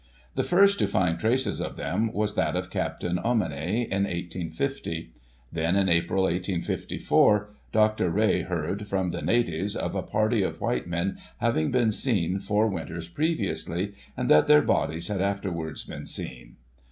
The first to find traces of them was that of Capt. Ommanney, in 1850 ; then, in April, 1854, Dr. Rae heard, from the natives, of a party of white men having been seen, four winters pre viously, and that their bodies had afterwards been seen.